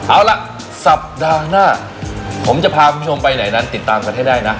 เอาล่ะสัปดาห์หน้าผมจะพาคุณผู้ชมไปไหนนั้นติดตามกันให้ได้นะ